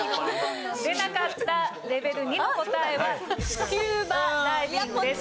出なかったレベル２の答えはスキューバダイビングです。